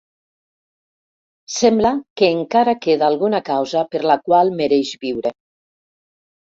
Sembla que encara queda alguna causa per la qual mereix viure.